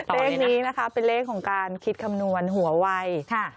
เลขนี้เป็นเลขของการคิดคำนวณหัววัย